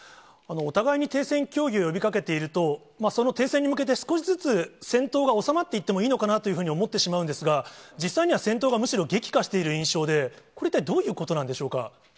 お互いに停戦協議を呼びかけていると、その停戦に向けて少しずつ戦闘が収まっていってもいいのかなというふうに思ってしまうんですが、実際には戦闘がむしろ激化している印象で、これ、一体どういうことなんでしょうか。